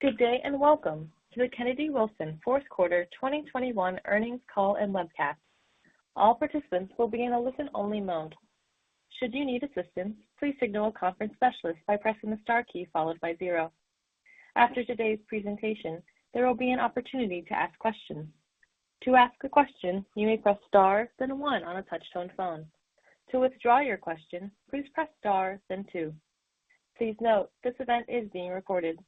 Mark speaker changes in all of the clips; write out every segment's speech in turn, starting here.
Speaker 1: Good day, and welcome to the Kennedy Wilson fourth quarter 2021 earnings call and webcast. All participants will be in a listen-only mode. Should you need assistance, please signal a conference specialist by pressing the star key followed by zero. After today's presentation, there will be an opportunity to ask questions. To ask a question, you may press star then one on a touch-tone phone. To withdraw your question, please press star then two. Please note, this event is being recorded.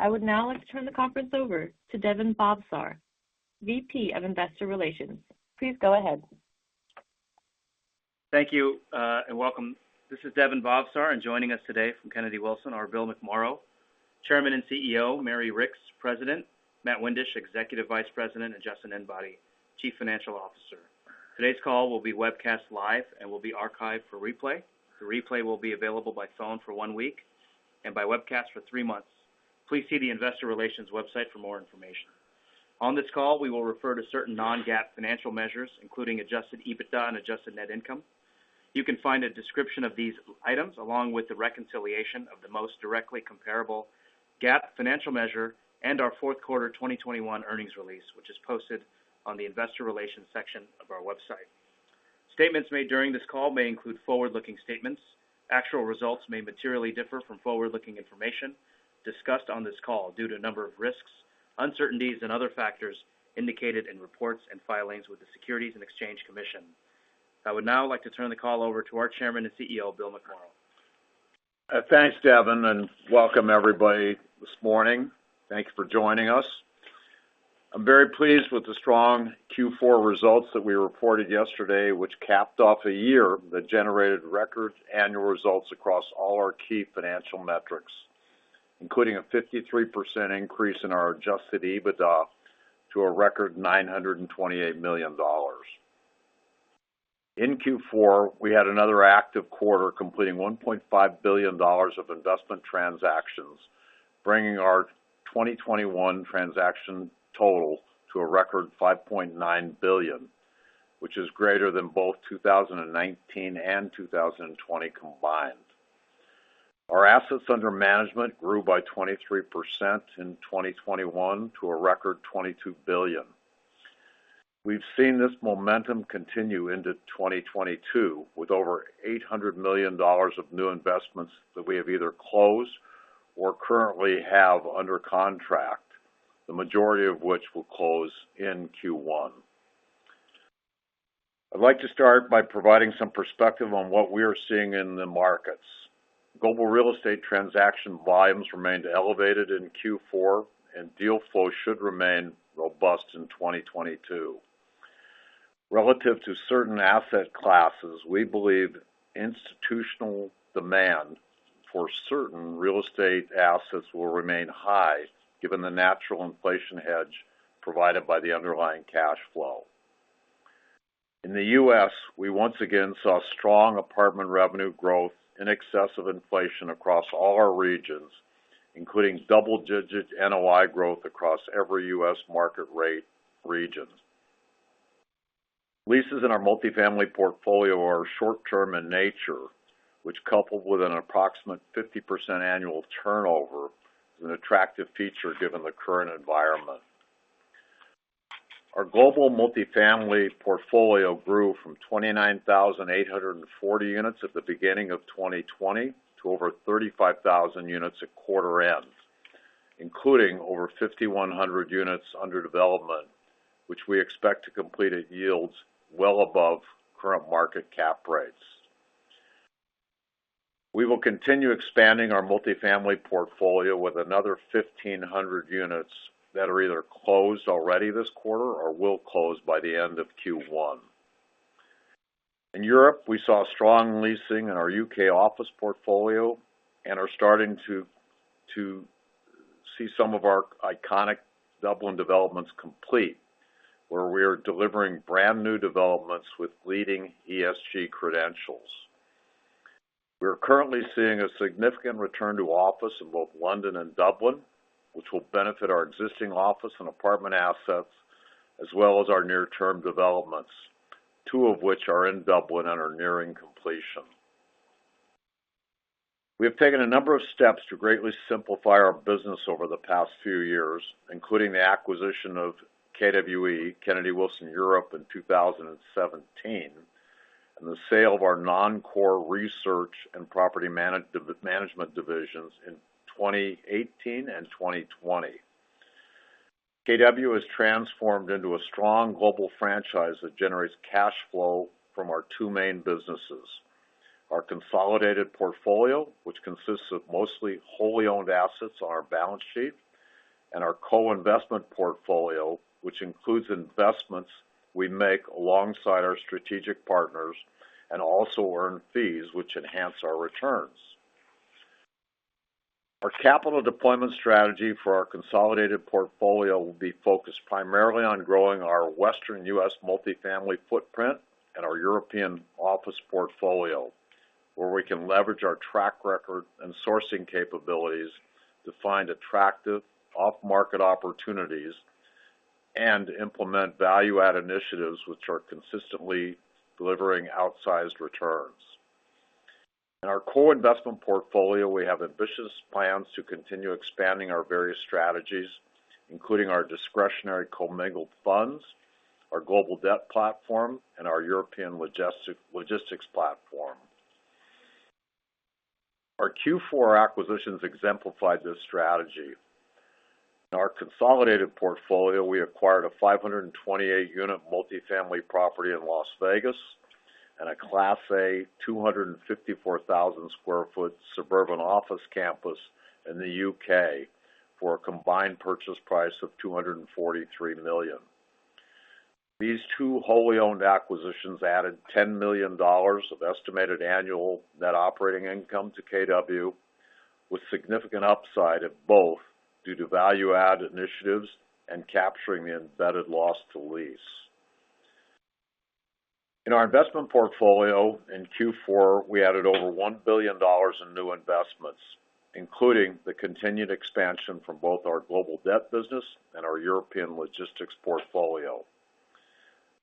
Speaker 1: I would now like to turn the conference over to Daven Bhavsar, VP of Investor Relations. Please go ahead.
Speaker 2: Thank you, and welcome. This is Daven Bhavsar, and joining us today from Kennedy Wilson are Bill McMorrow, Chairman and CEO, Mary Ricks, President, Matt Windisch, Executive Vice President, and Justin Enbody, Chief Financial Officer. Today's call will be webcast live and will be archived for replay. The replay will be available by phone for one week and by webcast for three months. Please see the investor relations website for more information. On this call, we will refer to certain non-GAAP financial measures, including Adjusted EBITDA and adjusted net income. You can find a description of these items along with the reconciliation of the most directly comparable GAAP financial measure and our fourth quarter 2021 earnings release, which is posted on the investor relations section of our website. Statements made during this call may include forward-looking statements. Actual results may materially differ from forward-looking information discussed on this call due to a number of risks, uncertainties, and other factors indicated in reports and filings with the Securities and Exchange Commission. I would now like to turn the call over to our chairman and CEO, Bill McMorrow.
Speaker 3: Thanks, Daven, and welcome everybody this morning. Thank you for joining us. I'm very pleased with the strong Q4 results that we reported yesterday, which capped off a year that generated record annual results across all our key financial metrics, including a 53% increase in our Adjusted EBITDA to a record $928 million. In Q4, we had another active quarter completing $1.5 billion of investment transactions, bringing our 2021 transaction total to a record $5.9 billion, which is greater than both 2019 and 2020 combined. Our assets under management grew by 23% in 2021 to a record $22 billion. We've seen this momentum continue into 2022 with over $800 million of new investments that we have either closed or currently have under contract, the majority of which will close in Q1. I'd like to start by providing some perspective on what we are seeing in the markets. Global real estate transaction volumes remained elevated in Q4, and deal flow should remain robust in 2022. Relative to certain asset classes, we believe institutional demand for certain real estate assets will remain high, given the natural inflation hedge provided by the underlying cash flow. In the U.S., we once again saw strong apartment revenue growth in excess of inflation across all our regions, including double-digit NOI growth across every U.S. market rate regions. Leases in our multifamily portfolio are short-term in nature, which coupled with an approximate 50% annual turnover, is an attractive feature given the current environment. Our global multifamily portfolio grew from 29,840 units at the beginning of 2020 to over 35,000 units at quarter end, including over 5,100 units under development, which we expect to complete at yields well above current market cap rates. We will continue expanding our multifamily portfolio with another 1,500 units that are either closed already this quarter or will close by the end of Q1. In Europe, we saw strong leasing in our U.K. office portfolio and are starting to see some of our iconic Dublin developments complete, where we are delivering brand-new developments with leading ESG credentials. We are currently seeing a significant return to office in both London and Dublin, which will benefit our existing office and apartment assets, as well as our near-term developments, two of which are in Dublin and are nearing completion. We have taken a number of steps to greatly simplify our business over the past few years, including the acquisition of KWE, Kennedy Wilson Europe in 2017, and the sale of our non-core research and property management divisions in 2018 and 2020. KW has transformed into a strong global franchise that generates cash flow from our two main businesses. Our consolidated portfolio, which consists of mostly wholly owned assets on our balance sheet, and our co-investment portfolio, which includes investments we make alongside our strategic partners and also earn fees which enhance our returns. Our capital deployment strategy for our consolidated portfolio will be focused primarily on growing our Western U.S. multifamily footprint and our European office portfolio, where we can leverage our track record and sourcing capabilities to find attractive off-market opportunities. Implement value-add initiatives which are consistently delivering outsized returns. In our core investment portfolio, we have ambitious plans to continue expanding our various strategies, including our discretionary co-mingled funds, our global debt platform, and our European logistics platform. Our Q4 acquisitions exemplified this strategy. In our consolidated portfolio, we acquired a 528-unit multifamily property in Las Vegas and a class A 254,000 sq ft suburban office campus in the U.K. for a combined purchase price of $243 million. These two wholly owned acquisitions added $10 million of estimated annual net operating income to KW, with significant upside at both due to value-add initiatives and capturing the embedded loss to lease. In our investment portfolio, in Q4, we added over $1 billion in new investments, including the continued expansion from both our global debt business and our European logistics portfolio.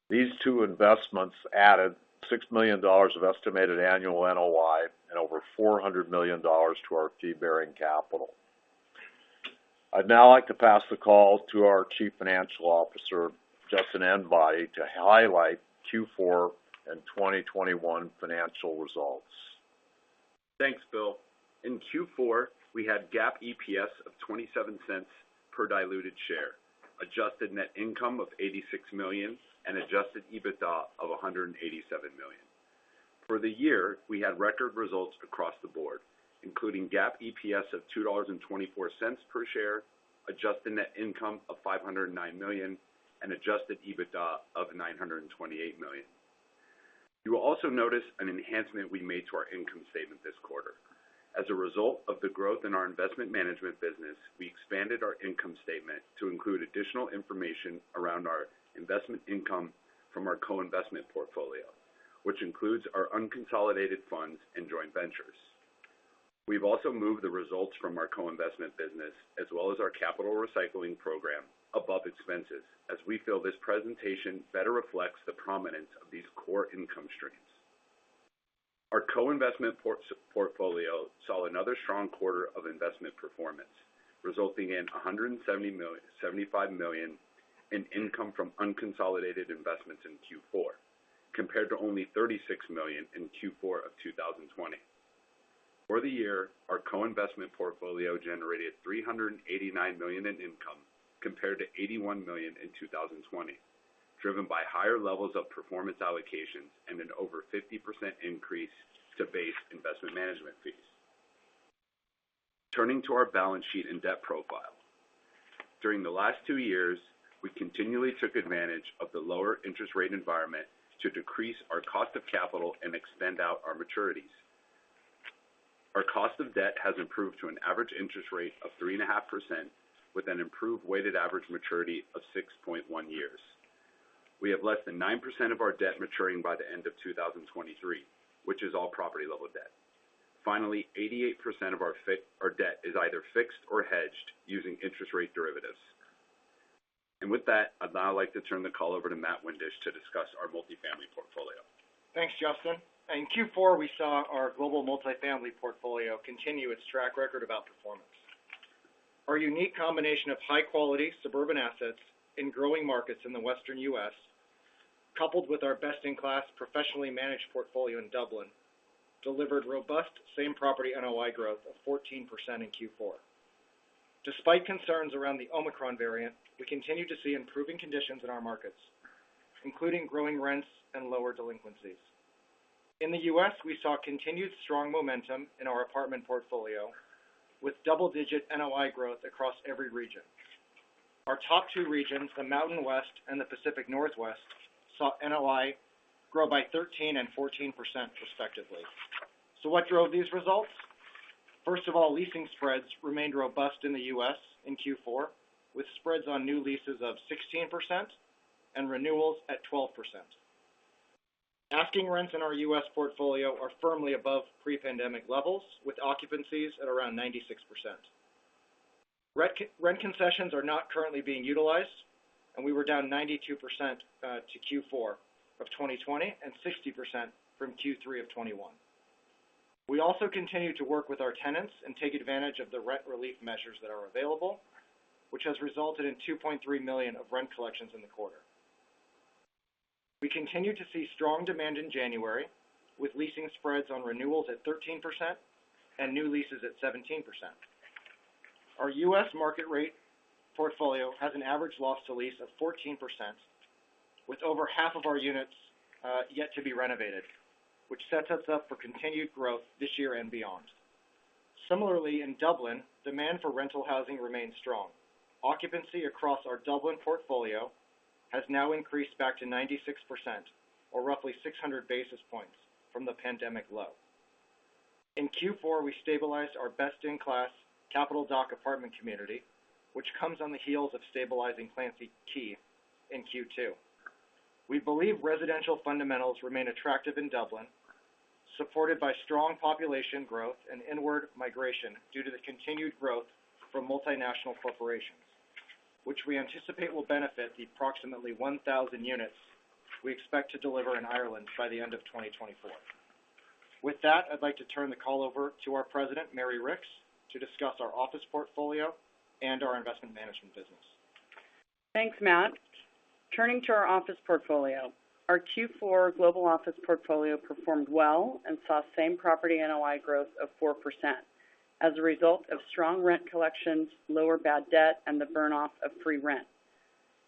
Speaker 3: These two investments added $6 million of estimated annual NOI and over $400 million to our fee-bearing capital. I'd now like to pass the call to our Chief Financial Officer, Justin Enbody, to highlight Q4 and 2021 financial results.
Speaker 4: Thanks, Bill. In Q4, we had GAAP EPS of $0.27 per diluted share, adjusted net income of $86 million, and Adjusted EBITDA of $187 million. For the year, we had record results across the board, including GAAP EPS of $2.24 per share, adjusted net income of $509 million, and Adjusted EBITDA of $928 million. You will also notice an enhancement we made to our income statement this quarter. As a result of the growth in our investment management business, we expanded our income statement to include additional information around our investment income from our co-investment portfolio, which includes our unconsolidated funds and joint ventures. We've also moved the results from our co-investment business, as well as our capital recycling program above expenses, as we feel this presentation better reflects the prominence of these core income streams. Our co-investment portfolio saw another strong quarter of investment performance, resulting in $175 million in income from unconsolidated investments in Q4, compared to only $36 million in Q4 of 2020. For the year, our co-investment portfolio generated $389 million in income compared to $81 million in 2020, driven by higher levels of performance allocations and an over 50% increase to base investment management fees. Turning to our balance sheet and debt profile. During the last two years, we continually took advantage of the lower interest rate environment to decrease our cost of capital and extend out our maturities. Our cost of debt has improved to an average interest rate of 3.5%, with an improved weighted average maturity of 6.1 years. We have less than 9% of our debt maturing by the end of 2023, which is all property level debt. Finally, 88% of our debt is either fixed or hedged using interest rate derivatives. With that, I'd now like to turn the call over to Matt Windisch to discuss our multifamily portfolio.
Speaker 5: Thanks, Justin. In Q4, we saw our global multifamily portfolio continue its track record of outperformance. Our unique combination of high-quality suburban assets in growing markets in the Western U.S., coupled with our best-in-class professionally managed portfolio in Dublin, delivered robust same property NOI growth of 14% in Q4. Despite concerns around the Omicron variant, we continue to see improving conditions in our markets, including growing rents and lower delinquencies. In the U.S., we saw continued strong momentum in our apartment portfolio with double-digit NOI growth across every region. Our top two regions, the Mountain West and the Pacific Northwest, saw NOI grow by 13% and 14% respectively. What drove these results? First of all, leasing spreads remained robust in the U.S. in Q4, with spreads on new leases of 16% and renewals at 12%. Asking rents in our U.S. portfolio are firmly above pre-pandemic levels, with occupancies at around 96%. Rent concessions are not currently being utilized, and we were down 92% to Q4 of 2020 and 60% from Q3 of 2021. We also continue to work with our tenants and take advantage of the rent relief measures that are available, which has resulted in $2.3 million of rent collections in the quarter. We continue to see strong demand in January, with leasing spreads on renewals at 13% and new leases at 17%. Our U.S. market rate portfolio has an average loss to lease of 14%, with over half of our units yet to be renovated, which sets us up for continued growth this year and beyond. Similarly, in Dublin, demand for rental housing remains strong. Occupancy across our Dublin portfolio has now increased back to 96% or roughly 600 basis points from the pandemic low. In Q4, we stabilized our best-in-class Capital Dock apartment community, which comes on the heels of stabilizing Clancy Quay in Q2. We believe residential fundamentals remain attractive in Dublin, supported by strong population growth and inward migration due to the continued growth from multinational corporations, which we anticipate will benefit the approximately 1,000 units we expect to deliver in Ireland by the end of 2024. With that, I'd like to turn the call over to our President, Mary Ricks, to discuss our office portfolio and our investment management business.
Speaker 6: Thanks, Matt. Turning to our office portfolio. Our Q4 global office portfolio performed well and saw same property NOI growth of 4% as a result of strong rent collections, lower bad debt, and the burn-off of free rent.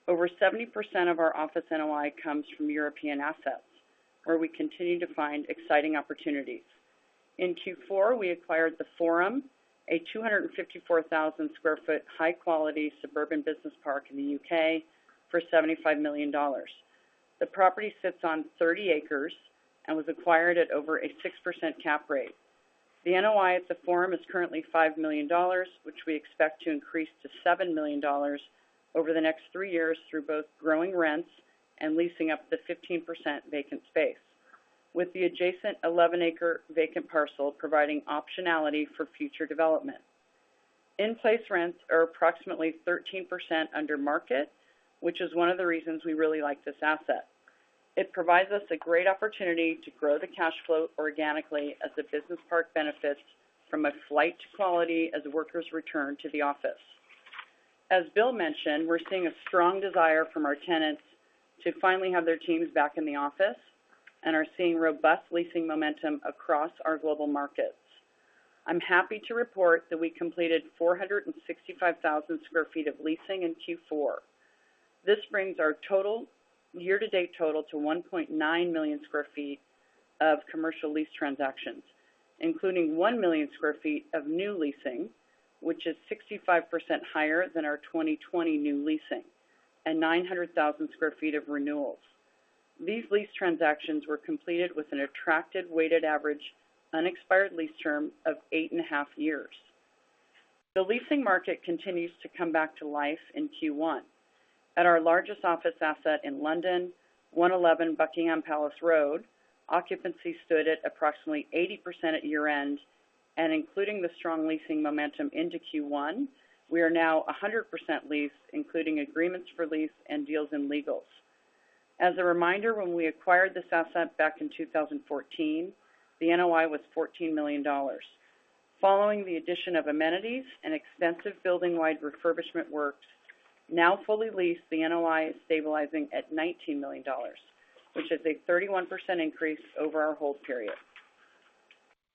Speaker 6: Over 70% of our office NOI comes from European assets, where we continue to find exciting opportunities. In Q4, we acquired The Forum, a 254,000 sq ft high-quality suburban business park in the U.K. for $75 million. The property sits on 30 acres and was acquired at over a 6% cap rate. The NOI at The Forum is currently $5 million, which we expect to increase to $7 million over the next three years through both growing rents and leasing up the 15% vacant space. With the adjacent 11-acre vacant parcel providing optionality for future development. In-place rents are approximately 13% under market, which is one of the reasons we really like this asset. It provides us a great opportunity to grow the cash flow organically as the business park benefits from a flight to quality as workers return to the office. As Bill mentioned, we're seeing a strong desire from our tenants to finally have their teams back in the office and are seeing robust leasing momentum across our global markets. I'm happy to report that we completed 465,000 sq ft of leasing in Q4. This brings our year-to-date total to 1.9 million sq ft of commercial lease transactions, including 1 million sq ft of new leasing, which is 65% higher than our 2020 new leasing, and 900,000 sq ft of renewals. These lease transactions were completed with an attractive weighted average unexpired lease term of 8.5 years. The leasing market continues to come back to life in Q1. At our largest office asset in London, 111 Buckingham Palace Road, occupancy stood at approximately 80% at year-end, and including the strong leasing momentum into Q1, we are now 100% leased, including agreements for lease and deals in legals. As a reminder, when we acquired this asset back in 2014, the NOI was $14 million. Following the addition of amenities and extensive building-wide refurbishment works, now fully leased, the NOI is stabilizing at $19 million, which is a 31% increase over our hold period.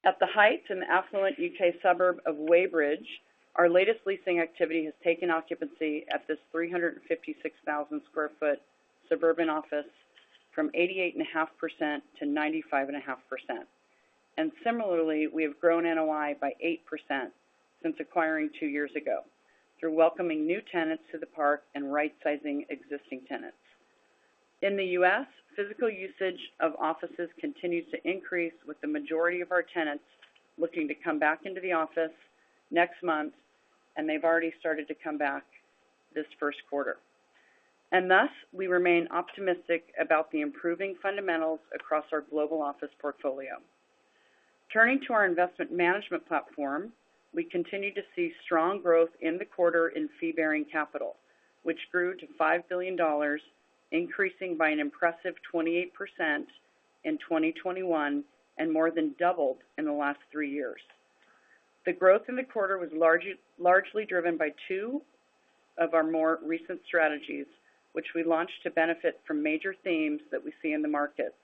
Speaker 6: At The Heights in the affluent U.K. suburb of Weybridge, our latest leasing activity has taken occupancy at this 356,000 sq ft suburban office from 88.5%-95.5%. Similarly, we have grown NOI by 8% since acquiring two years ago through welcoming new tenants to the park and right-sizing existing tenants. In the U.S., physical usage of offices continues to increase, with the majority of our tenants looking to come back into the office next month, and they've already started to come back this first quarter. Thus, we remain optimistic about the improving fundamentals across our global office portfolio. Turning to our investment management platform, we continue to see strong growth in the quarter in fee-bearing capital, which grew to $5 billion, increasing by an impressive 28% in 2021, and more than doubled in the last three years. The growth in the quarter was largely driven by two of our more recent strategies, which we launched to benefit from major themes that we see in the markets.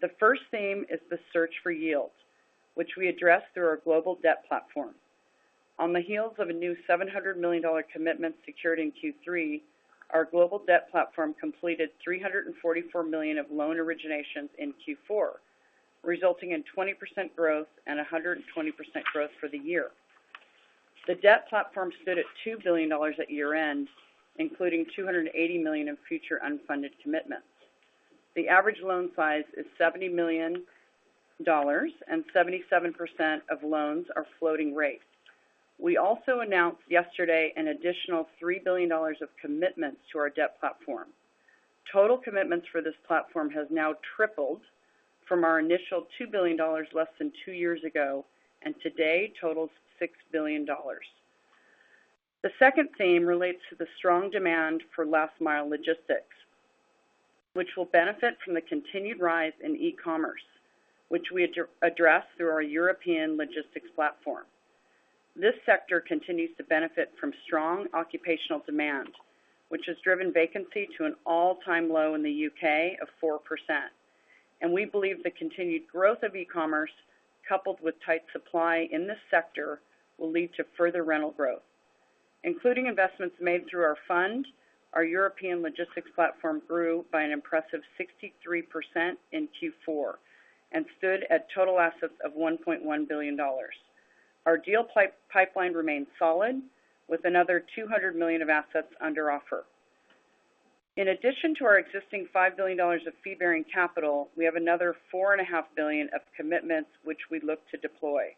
Speaker 6: The first theme is the search for yield, which we address through our global debt platform. On the heels of a new $700 million commitment secured in Q3, our global debt platform completed $344 million of loan originations in Q4, resulting in 20% growth and 120% growth for the year. The debt platform stood at $2 billion at year-end, including $280 million in future unfunded commitments. The average loan size is $70 million, and 77% of loans are floating rate. We also announced yesterday an additional $3 billion of commitments to our debt platform. Total commitments for this platform has now tripled from our initial $2 billion less than two years ago, and today totals $6 billion. The second theme relates to the strong demand for last mile logistics, which will benefit from the continued rise in e-commerce, which we address through our European logistics platform. This sector continues to benefit from strong occupational demand, which has driven vacancy to an all-time low in the U.K. of 4%. We believe the continued growth of e-commerce, coupled with tight supply in this sector, will lead to further rental growth. Including investments made through our fund, our European logistics platform grew by an impressive 63% in Q4 and stood at total assets of $1.1 billion. Our deal pipeline remains solid, with another $200 million of assets under offer. In addition to our existing $5 billion of fee-bearing capital, we have another $4.5 billion of commitments which we look to deploy.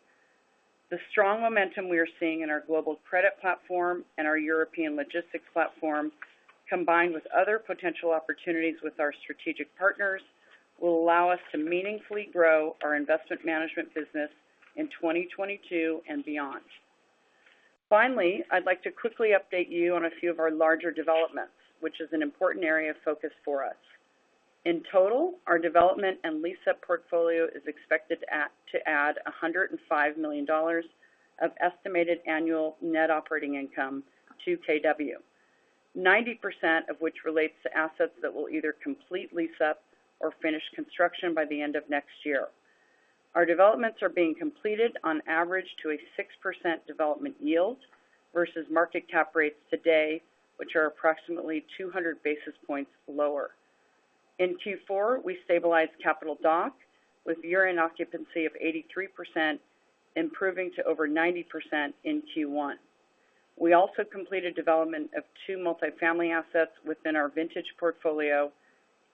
Speaker 6: The strong momentum we are seeing in our global credit platform and our European logistics platform, combined with other potential opportunities with our strategic partners, will allow us to meaningfully grow our investment management business in 2022 and beyond. Finally, I'd like to quickly update you on a few of our larger developments, which is an important area of focus for us. In total, our development and lease-up portfolio is expected to add $105 million of estimated annual net operating income to KW. 90% of which relates to assets that will either complete lease-up or finish construction by the end of next year. Our developments are being completed on average to a 6% development yield versus market cap rates today, which are approximately 200 basis points lower. In Q4, we stabilized Capital Dock with year-end occupancy of 83%, improving to over 90% in Q1. We also completed development of two multifamily assets within our vintage portfolio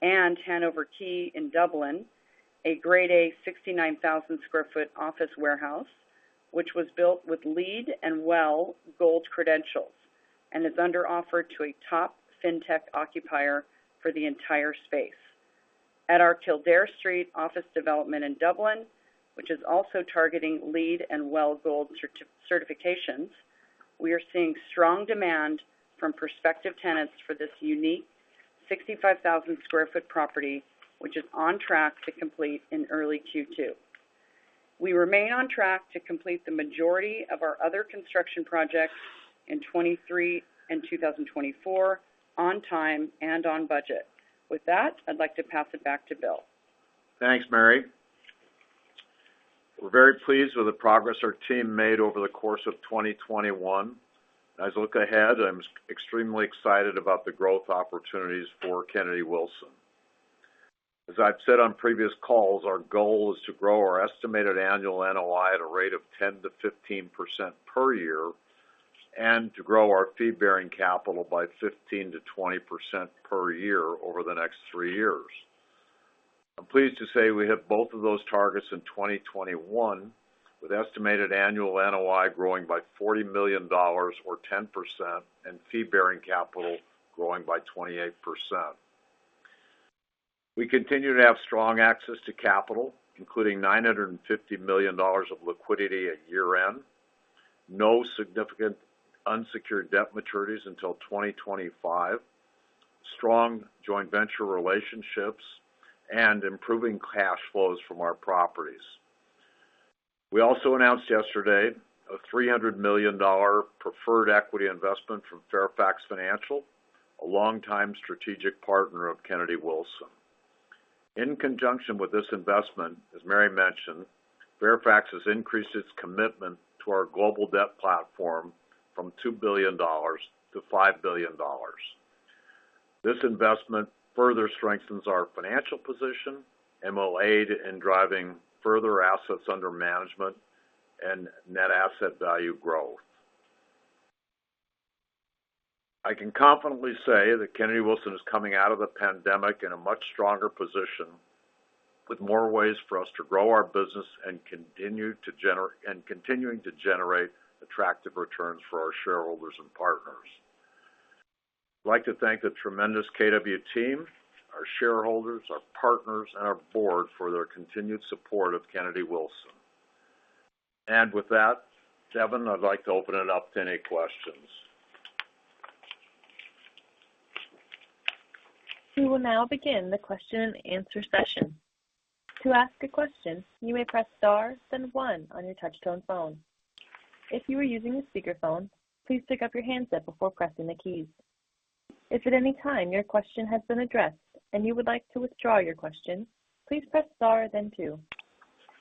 Speaker 6: and Hanover Quay in Dublin, a Grade A 69,000 sq ft office warehouse, which was built with LEED and WELL gold credentials, and is under offer to a top fintech occupier for the entire space. At our Kildare Street office development in Dublin, which is also targeting LEED and WELL gold certifications, we are seeing strong demand from prospective tenants for this unique 65,000 sq ft property, which is on track to complete in early Q2. We remain on track to complete the majority of our other construction projects in 2023 and 2024 on time and on budget. With that, I'd like to pass it back to Bill.
Speaker 3: Thanks, Mary. We're very pleased with the progress our team made over the course of 2021. As I look ahead, I'm extremely excited about the growth opportunities for Kennedy Wilson. As I've said on previous calls, our goal is to grow our estimated annual NOI at a rate of 10%-15% per year, and to grow our fee-bearing capital by 15%-20% per year over the next three years. I'm pleased to say we hit both of those targets in 2021, with estimated annual NOI growing by $40 million or 10%, and fee-bearing capital growing by 28%. We continue to have strong access to capital, including $950 million of liquidity at year-end, no significant unsecured debt maturities until 2025, strong joint venture relationships, and improving cash flows from our properties. We also announced yesterday a $300 million preferred equity investment from Fairfax Financial, a longtime strategic partner of Kennedy Wilson. In conjunction with this investment, as Mary mentioned, Fairfax has increased its commitment to our global debt platform from $2 billion to $5 billion. This investment further strengthens our financial position and will aid in driving further assets under management and net asset value growth. I can confidently say that Kennedy Wilson is coming out of the pandemic in a much stronger position, with more ways for us to grow our business and continuing to generate attractive returns for our shareholders and partners. I'd like to thank the tremendous KW team, our shareholders, our partners, and our board for their continued support of Kennedy Wilson. With that, Devin, I'd like to open it up to any questions.
Speaker 1: We will now begin the question and answer session. To ask a question, you may press star then one on your touchtone phone. If you are using a speakerphone, please pick up your handset before pressing the keys. If at any time your question has been addressed and you would like to withdraw your question, please press star then two.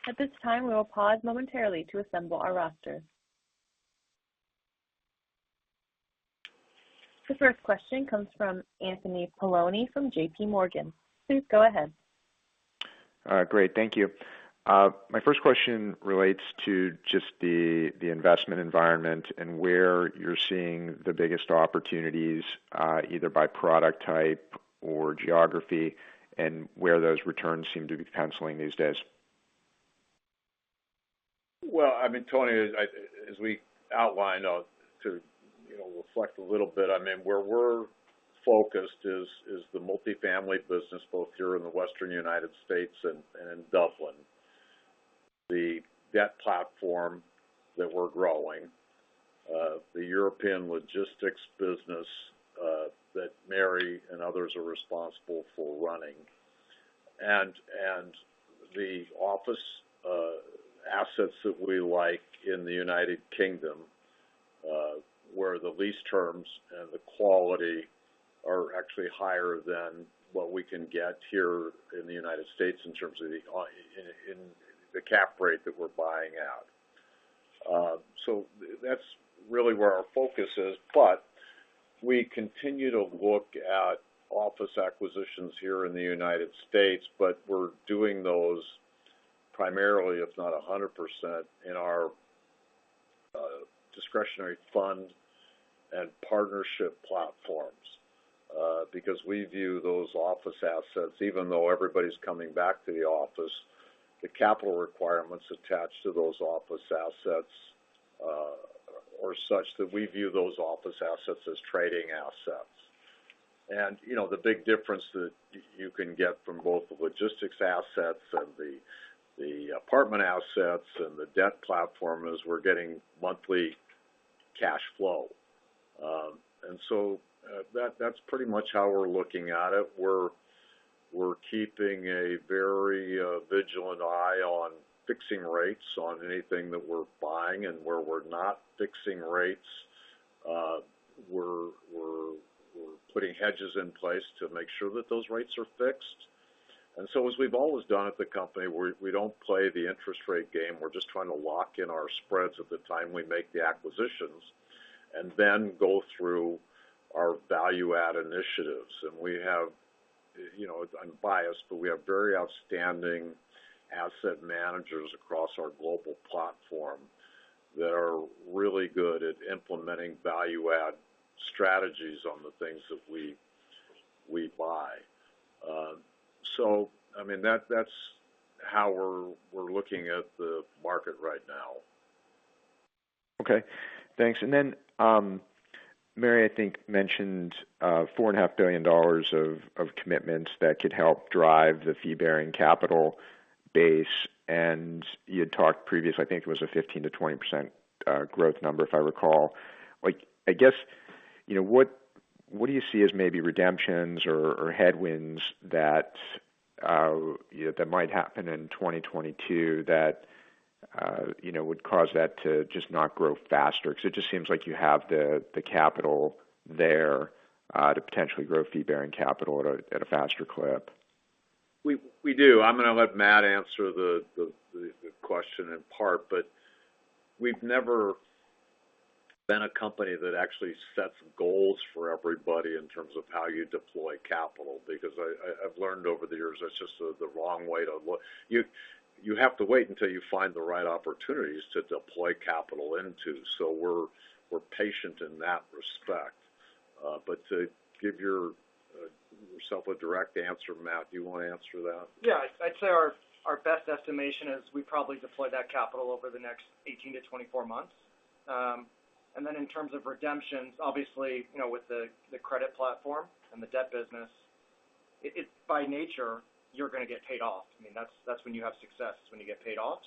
Speaker 1: At this time, we will pause momentarily to assemble our roster. The first question comes from Anthony Paolone from JPMorgan. Please go ahead.
Speaker 7: Great. Thank you. My first question relates to just the investment environment and where you're seeing the biggest opportunities, either by product type or geography, and where those returns seem to be penciling these days.
Speaker 3: Well, I mean, Tony, as we outlined, to, you know, reflect a little bit, I mean, where we're focused is the multifamily business, both here in the Western United States and in Dublin. The debt platform that we're growing, the European logistics business that Mary and others are responsible for running, and the office assets that we like in the United Kingdom, where the lease terms and the quality are actually higher than what we can get here in the United States in terms of the in the cap rate that we're buying at. So that's really where our focus is. We continue to look at office acquisitions here in the United States, but we're doing those primarily, if not 100%, in our Discretionary fund and partnership platforms. Because we view those office assets, even though everybody's coming back to the office, the capital requirements attached to those office assets are such that we view those office assets as trading assets. You know, the big difference that you can get from both the logistics assets and the apartment assets and the debt platform is we're getting monthly cash flow. That's pretty much how we're looking at it. We're keeping a very vigilant eye on fixing rates on anything that we're buying. Where we're not fixing rates, we're putting hedges in place to make sure that those rates are fixed. As we've always done at the company, we don't play the interest rate game. We're just trying to lock in our spreads at the time we make the acquisitions and then go through our value add initiatives. We have, you know, I'm biased, but we have very outstanding asset managers across our global platform that are really good at implementing value add strategies on the things that we buy. So I mean, that's how we're looking at the market right now.
Speaker 7: Okay, thanks. Mary, I think mentioned $4.5 billion of commitments that could help drive the fee-bearing capital base. You had talked previously, I think it was a 15%-20% growth number, if I recall. Like, I guess, you know, what do you see as maybe redemptions or headwinds that might happen in 2022 that you know would cause that to just not grow faster? 'Cause it just seems like you have the capital there to potentially grow fee-bearing capital at a faster clip.
Speaker 3: We do. I'm gonna let Matt answer the question in part. We've never been a company that actually sets goals for everybody in terms of how you deploy capital, because I've learned over the years that's just the wrong way to look. You have to wait until you find the right opportunities to deploy capital into. We're patient in that respect. To give yourself a direct answer, Matt, do you wanna answer that?
Speaker 5: Yeah. I'd say our best estimation is we probably deploy that capital over the next 18-24 months. In terms of redemptions, obviously, you know, with the credit platform and the debt business, it's by nature you're gonna get paid off. I mean, that's when you have success is when you get paid off.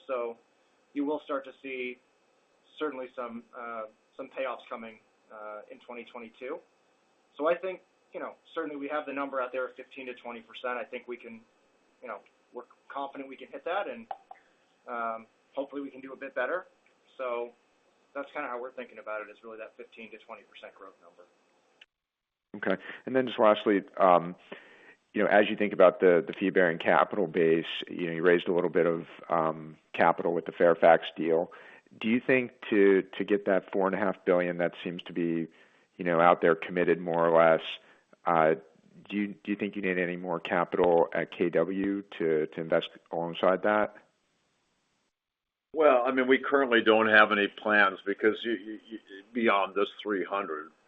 Speaker 5: You will start to see certainly some payoffs coming in 2022. I think, you know, certainly we have the number out there of 15%-20%. I think we can, you know, we're confident we can hit that and hopefully we can do a bit better. That's kinda how we're thinking about it, is really that 15%-20% growth number.
Speaker 7: Okay. Just lastly, you know, as you think about the fee-bearing capital base, you know, you raised a little bit of capital with the Fairfax deal. Do you think to get that $4.5 billion that seems to be, you know, out there committed more or less, do you think you need any more capital at KW to invest alongside that?
Speaker 3: Well, I mean, we currently don't have any plans because beyond this $300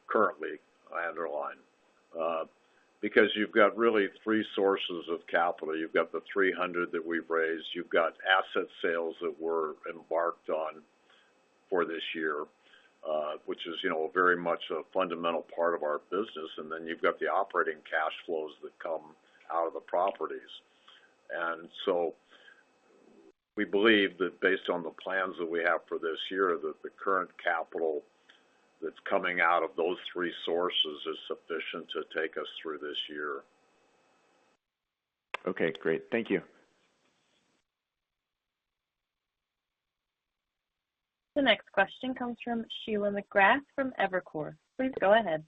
Speaker 3: currently, I underline. Because you've got really three sources of capital. You've got the $300 that we've raised. You've got asset sales that we're embarked on for this year, which is, you know, very much a fundamental part of our business. And then you've got the operating cash flows that come out of the properties. We believe that based on the plans that we have for this year, that the current capital that's coming out of those three sources is sufficient to take us through this year.
Speaker 7: Okay, great. Thank you.
Speaker 1: The next question comes from Sheila McGrath from Evercore. Please go ahead.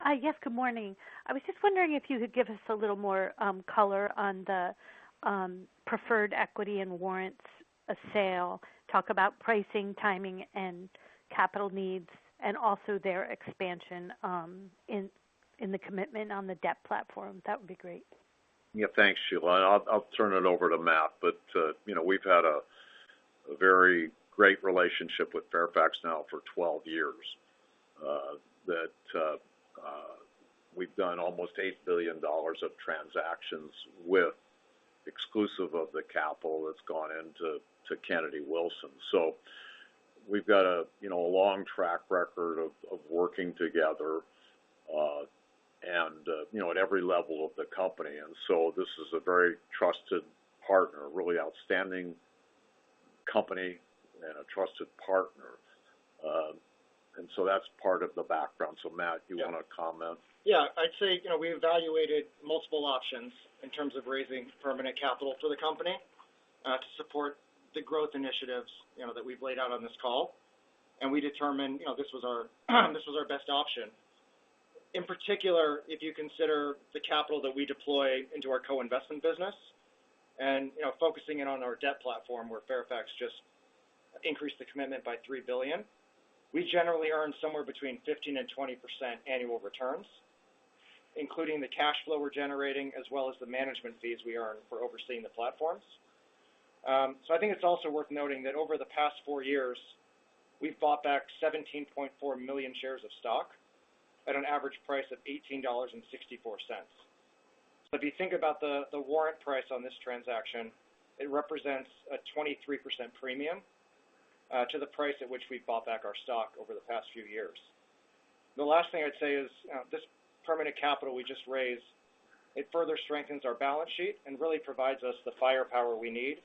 Speaker 8: Hi. Yes, good morning. I was just wondering if you could give us a little more color on the preferred equity and warrants sale, talk about pricing, timing, and capital needs and also their expansion in the commitment on the debt platform. That would be great.
Speaker 3: Yeah. Thanks, Sheila, and I'll turn it over to Matt. You know, we've had a very great relationship with Fairfax now for 12 years that we've done almost $8 billion of transactions with, exclusive of the capital that's gone into Kennedy Wilson. We've got a long track record of working together, and you know, at every level of the company. This is a very trusted partner, a really outstanding company and a trusted partner. That's part of the background. Matt, do you wanna comment?
Speaker 5: Yeah. I'd say, you know, we evaluated multiple options in terms of raising permanent capital for the company to support the growth initiatives, you know, that we've laid out on this call, and we determined, you know, this was our, this was our best option. In particular, if you consider the capital that we deploy into our co-investment business and, you know, focusing in on our debt platform, where Fairfax just increased the commitment by $3 billion. We generally earn somewhere between 15%-20% annual returns. Including the cash flow we're generating as well as the management fees we earn for overseeing the platforms. So I think it's also worth noting that over the past four years, we've bought back 17.4 million shares of stock at an average price of $18.64. If you think about the warrant price on this transaction, it represents a 23% premium to the price at which we've bought back our stock over the past few years. The last thing I'd say is this permanent capital we just raised, it further strengthens our balance sheet and really provides us the firepower we need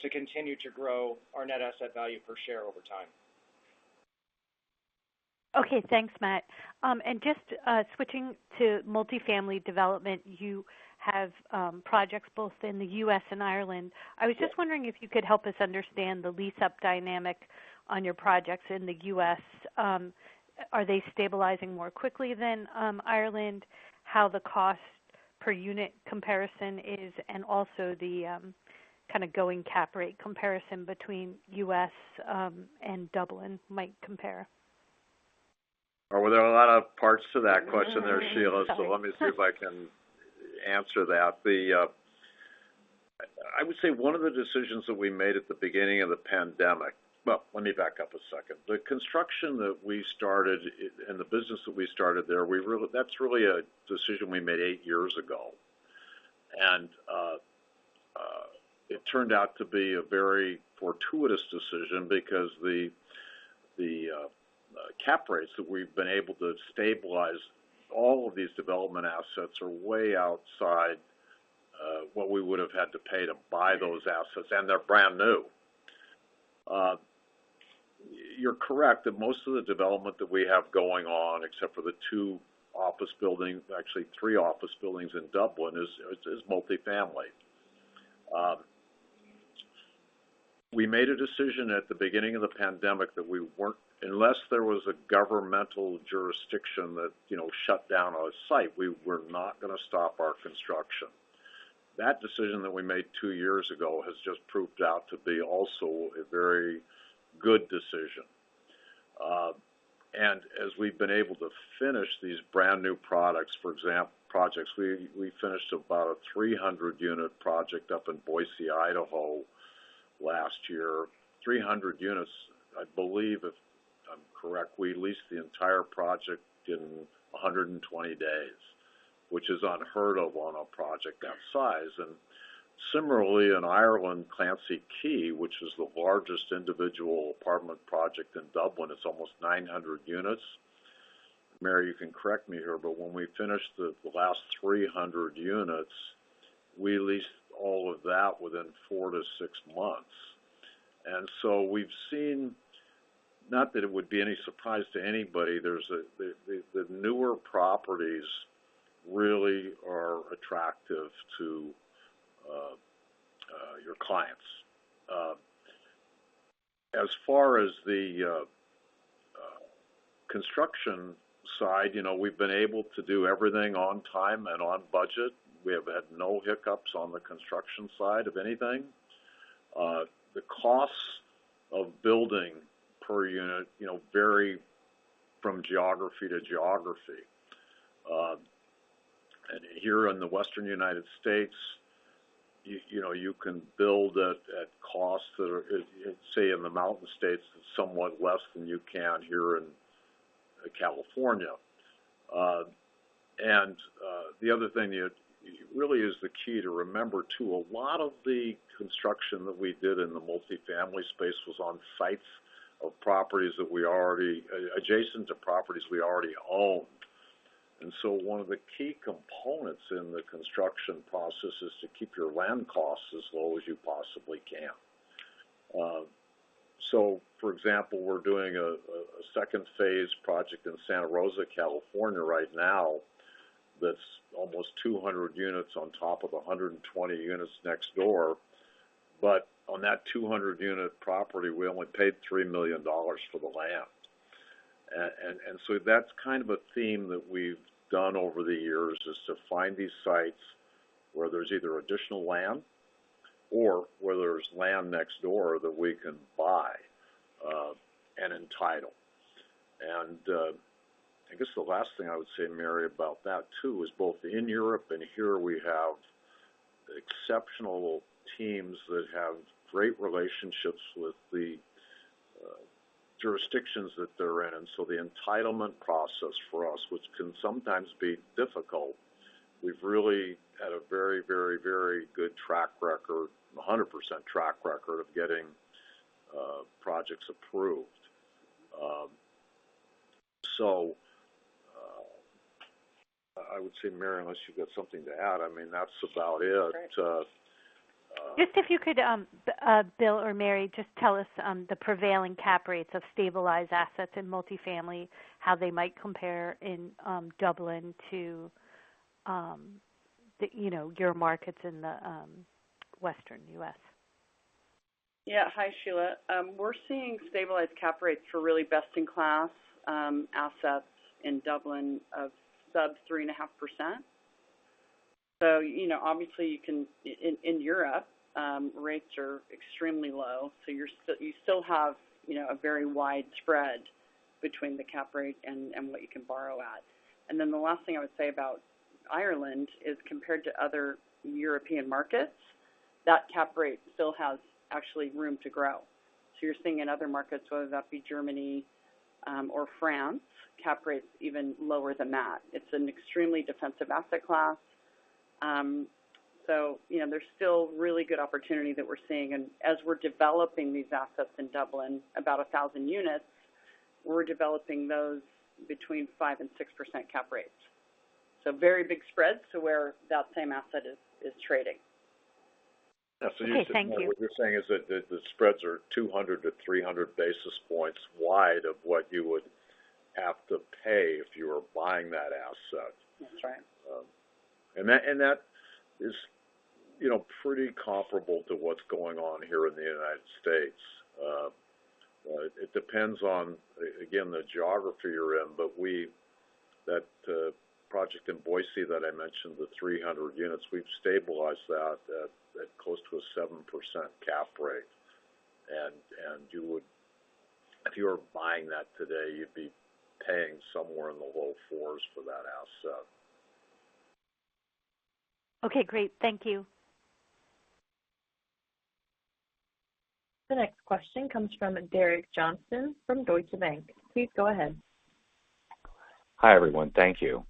Speaker 5: to continue to grow our net asset value per share over time.
Speaker 8: Okay, thanks, Matt. Just switching to multifamily development, you have projects both in the U.S. and Ireland.
Speaker 5: Yes.
Speaker 8: I was just wondering if you could help us understand the lease-up dynamic on your projects in the U.S. Are they stabilizing more quickly than Ireland? How the cost per unit comparison is, and also the kind of going cap rate comparison between U.S. and Dublin might compare.
Speaker 3: Well, there are a lot of parts to that question there, Sheila.
Speaker 8: Sorry.
Speaker 3: Let me see if I can answer that. I would say one of the decisions that we made at the beginning of the pandemic. Let me back up a second. The construction that we started and the business that we started there, that's really a decision we made eight years ago. It turned out to be a very fortuitous decision because the cap rates that we've been able to stabilize all of these development assets are way outside what we would have had to pay to buy those assets, and they're brand-new. You're correct that most of the development that we have going on, except for the two office buildings, actually three office buildings in Dublin, is multifamily. We made a decision at the beginning of the pandemic that unless there was a governmental jurisdiction that, you know, shut down a site, we were not gonna stop our construction. That decision that we made two years ago has just proved out to be also a very good decision. As we've been able to finish these brand-new products, projects, we finished about a 300-unit project up in Boise, Idaho last year. 300 units, I believe if I'm correct, we leased the entire project in 120 days, which is unheard of on a project that size. Similarly, in Ireland, Clancy Quay, which is the largest individual apartment project in Dublin, it's almost 900 units. Mary, you can correct me here, but when we finished the last 300 units, we leased all of that within four to six months. We've seen, not that it would be any surprise to anybody, the newer properties really are attractive to your clients. As far as the construction side, you know, we've been able to do everything on time and on budget. We have had no hiccups on the construction side of anything. The costs of building per unit, you know, vary from geography to geography. Here in the Western U.S., you know, you can build at costs that are, say, in the Mountain States, somewhat less than you can here in California. The other thing that really is the key to remember, too, a lot of the construction that we did in the multifamily space was on sites of properties adjacent to properties we already owned. One of the key components in the construction process is to keep your land costs as low as you possibly can. For example, we're doing a second phase project in Santa Rosa, California, right now that's almost 200 units on top of 120 units next door. On that 200-unit property, we only paid $3 million for the land. That's kind of a theme that we've done over the years, is to find these sites where there's either additional land or where there's land next door that we can buy and entitle. I guess the last thing I would say, Mary, about that, too, is both in Europe and here we have exceptional teams that have great relationships with the jurisdictions that they're in. The entitlement process for us, which can sometimes be difficult, we've really had a very good track record, 100% track record of getting projects approved. I would say, Mary, unless you've got something to add, I mean, that's about it.
Speaker 8: Just if you could, Bill or Mary, just tell us the prevailing cap rates of stabilized assets in multifamily, how they might compare in Dublin to the, you know, your markets in the western U.S.
Speaker 6: Yeah. Hi, Sheila. We're seeing stabilized cap rates for really best-in-class assets in Dublin of sub 3.5%. You know, obviously, in Europe, rates are extremely low, so you still have a very wide spread between the cap rate and what you can borrow at. Then the last thing I would say about Ireland is compared to other European markets, that cap rate still has actually room to grow. You're seeing in other markets, whether that be Germany or France, cap rates even lower than that. It's an extremely defensive asset class. You know, there's still really good opportunity that we're seeing. As we're developing these assets in Dublin, about 1,000 units, we're developing those between 5% and 6% cap rates. Very big spreads to where that same asset is trading.
Speaker 8: Okay, thank you.
Speaker 3: What you're saying is that the spreads are 200-300 basis points wide of what you would have to pay if you were buying that asset.
Speaker 6: That's right.
Speaker 3: That is, you know, pretty comparable to what's going on here in the United States. It depends on, again, the geography you're in. That project in Boise that I mentioned, the 300 units, we've stabilized that at close to a 7% cap rate. If you were buying that today, you'd be paying somewhere in the low fours for that asset.
Speaker 1: Okay, great. Thank you. The next question comes from Derek Johnston from Deutsche Bank. Please go ahead.
Speaker 9: Hi, everyone. Thank you.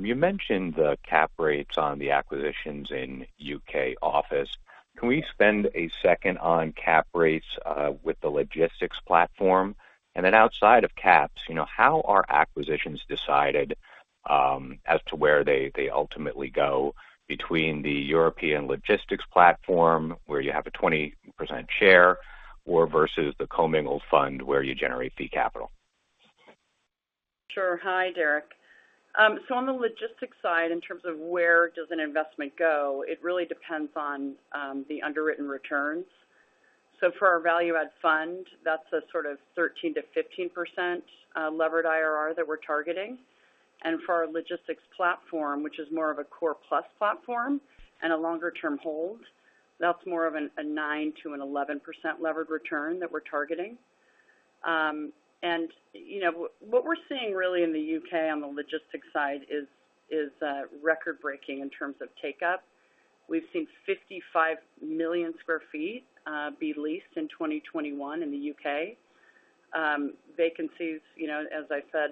Speaker 9: You mentioned the cap rates on the acquisitions in U.K. office. Can we spend a second on cap rates with the logistics platform? Then outside of caps, you know, how are acquisitions decided as to where they ultimately go between the European logistics platform, where you have a 20% share, or versus the commingled fund where you generate fee capital?
Speaker 6: Sure. Hi, Derek. On the logistics side, in terms of where does an investment go, it really depends on the underwritten returns. For our value add fund, that's a sort of 13%-15% levered IRR that we're targeting. For our logistics platform, which is more of a core plus platform and a longer term hold, that's more of a 9%-11% levered return that we're targeting. You know, what we're seeing really in the U.K. on the logistics side is record-breaking in terms of take-up. We've seen 55 million sq ft be leased in 2021 in the U.K. Vacancies, you know, as I said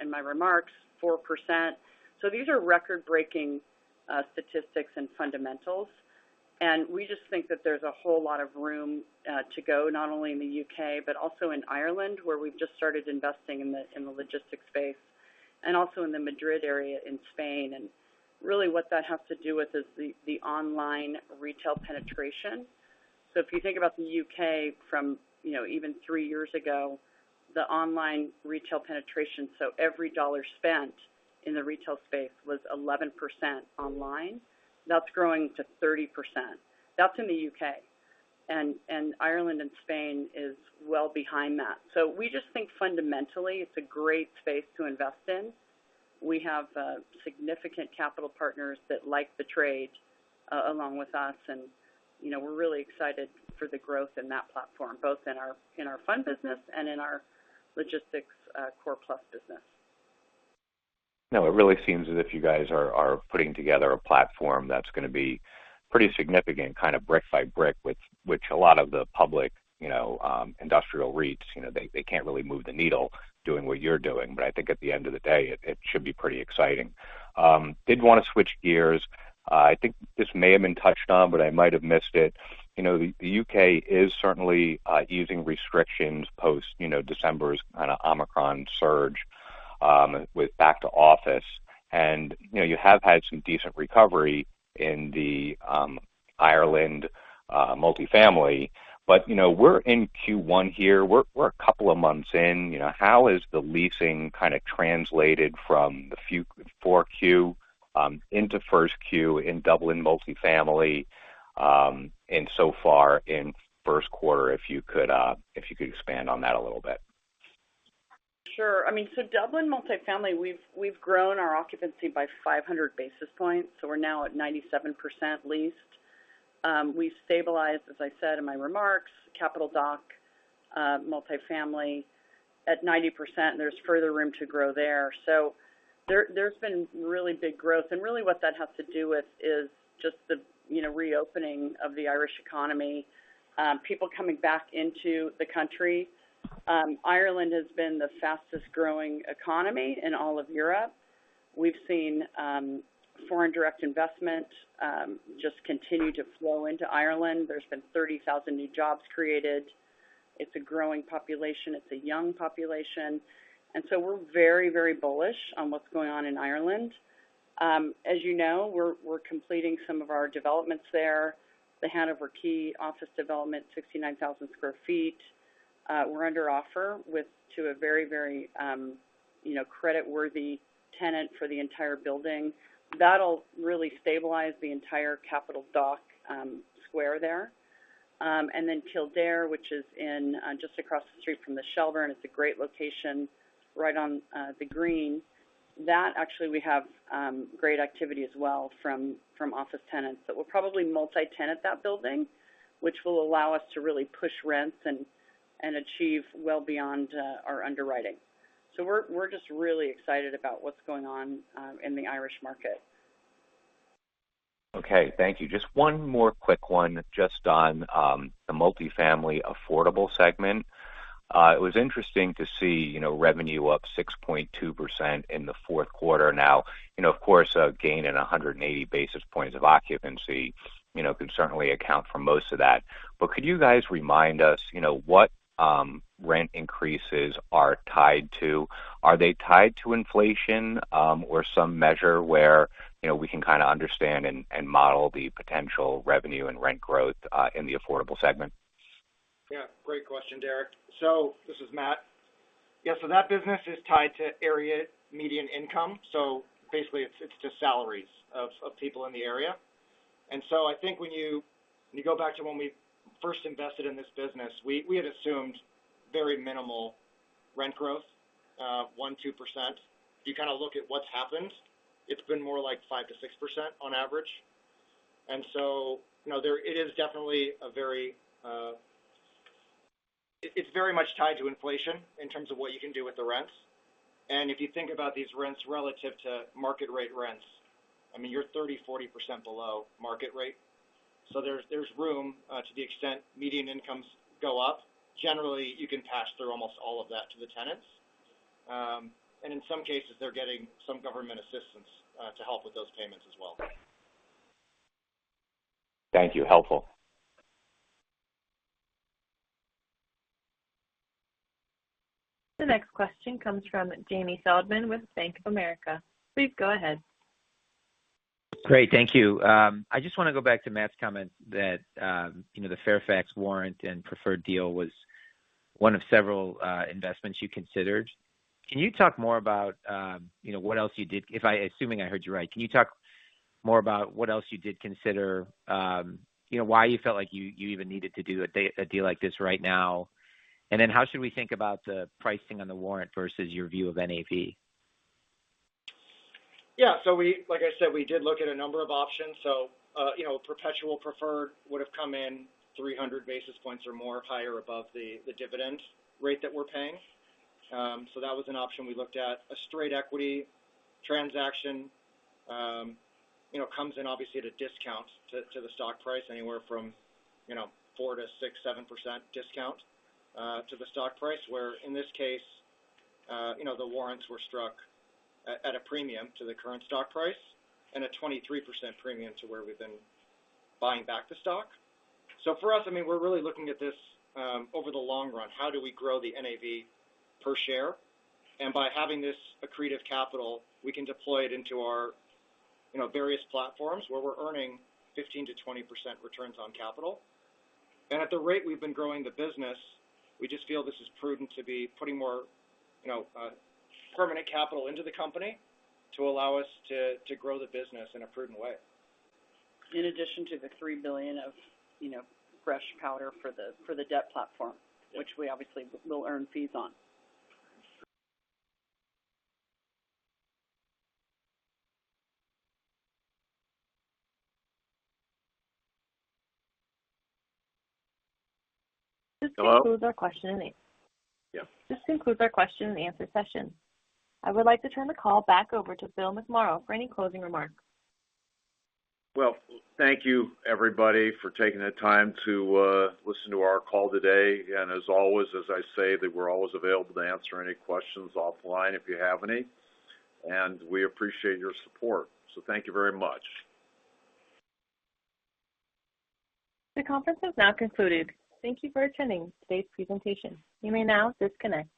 Speaker 6: in my remarks, 4%. These are record-breaking statistics and fundamentals. We just think that there's a whole lot of room to go, not only in the U.K., but also in Ireland, where we've just started investing in the logistics space, and also in the Madrid area in Spain. Really what that has to do with is the online retail penetration. If you think about the U.K. from, you know, even three years ago, the online retail penetration, so every dollar spent in the retail space was 11% online. That's growing to 30%. That's in the U.K., and Ireland and Spain is well behind that. We just think fundamentally it's a great space to invest in. We have significant capital partners that like the trade along with us, and you know, we're really excited for the growth in that platform, both in our fund business and in our logistics core plus business.
Speaker 9: No, it really seems as if you guys are putting together a platform that's gonna be pretty significant, kind of brick by brick, which a lot of the public, you know, industrial REITs, you know, they can't really move the needle doing what you're doing. But I think at the end of the day, it should be pretty exciting. Did wanna switch gears. I think this may have been touched on, but I might have missed it. You know, the U.K. is certainly easing restrictions post, you know, December's kind of Omicron surge, with back to office. You know, you have had some decent recovery in the Ireland multifamily. You know, we're in Q1 here. We're a couple of months in. You know, how has the leasing kinda translated from Q4 into 1Q in Dublin multifamily, and so far in first quarter, if you could expand on that a little bit?
Speaker 6: Sure. I mean, Dublin multifamily, we've grown our occupancy by 500 basis points, so we're now at 97% leased. We've stabilized, as I said in my remarks, Capital Dock multifamily at 90%, and there's further room to grow there. There's been really big growth, and really what that has to do with is just the, you know, reopening of the Irish economy, people coming back into the country. Ireland has been the fastest-growing economy in all of Europe. We've seen foreign direct investment just continue to flow into Ireland. There's been 30,000 new jobs created. It's a growing population. It's a young population. We're very, very bullish on what's going on in Ireland. As you know, we're completing some of our developments there. The Hanover Quay office development, 69,000 sq ft, we're under offer to a very you know credit-worthy tenant for the entire building. That'll really stabilize the entire Capital Dock Square there. Kildare, which is just across the street from the Shelbourne. It's a great location right on the green. That actually we have great activity as well from office tenants. We'll probably multi-tenant that building, which will allow us to really push rents and achieve well beyond our underwriting. We're just really excited about what's going on in the Irish market.
Speaker 9: Okay. Thank you. Just one more quick one just on the multifamily affordable segment. It was interesting to see, you know, revenue up 6.2% in the fourth quarter. Now, you know, of course, a gain in 180 basis points of occupancy, you know, can certainly account for most of that. But could you guys remind us, you know, what rent increases are tied to? Are they tied to inflation or some measure where, you know, we can kinda understand and model the potential revenue and rent growth in the affordable segment?
Speaker 5: Yeah, great question, Derek. This is Matt. Yeah. That business is tied to area median income. Basically it's just salaries of people in the area. I think when you go back to when we first invested in this business, we had assumed very minimal rent growth, 1%-2%. If you kinda look at what's happened, it's been more like 5%-6% on average. You know, it is definitely very much tied to inflation in terms of what you can do with the rents. If you think about these rents relative to market rate rents, I mean, you're 30%-40% below market rate. There's room to the extent median incomes go up. Generally, you can pass through almost all of that to the tenants. In some cases, they're getting some government assistance to help with those payments as well.
Speaker 9: Thank you. Helpful.
Speaker 1: The next question comes from Jamie Feldman with Bank of America. Please go ahead.
Speaker 10: Great. Thank you. I just wanna go back to Matt's comment that, you know, the Fairfax warrant and preferred deal was one of several, investments you considered. Can you talk more about, you know, what else you did? Can you talk more about what else you did consider? You know, why you felt like you even needed to do a deal like this right now? And then how should we think about the pricing on the warrant versus your view of NAV?
Speaker 5: Like I said, we did look at a number of options. You know, perpetual preferred would've come in 300 basis points or more higher above the dividend rate that we're paying. That was an option we looked at. A straight equity transaction, you know, comes in obviously at a discount to the stock price, anywhere from, you know, 4%-7% discount to the stock price. Where in this case, you know, the warrants were struck at a premium to the current stock price and a 23% premium to where we've been buying back the stock. For us, I mean, we're really looking at this over the long run. How do we grow the NAV per share? By having this accretive capital, we can deploy it into our, you know, various platforms where we're earning 15%-20% returns on capital. At the rate we've been growing the business, we just feel this is prudent to be putting more, you know, permanent capital into the company to allow us to grow the business in a prudent way.
Speaker 6: In addition to the $3 billion of, you know, fresh powder for the debt platform.
Speaker 5: Yeah.
Speaker 6: which we obviously will earn fees on.
Speaker 1: This concludes our question and a-
Speaker 5: Yeah.
Speaker 1: This concludes our question and answer session. I would like to turn the call back over to Bill McMorrow for any closing remarks.
Speaker 3: Well, thank you everybody for taking the time to listen to our call today. As always, as I say that we're always available to answer any questions offline if you have any. We appreciate your support. Thank you very much.
Speaker 1: The conference has now concluded. Thank you for attending today's presentation. You may now disconnect.